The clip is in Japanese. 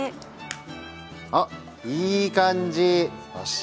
あっいい感じ。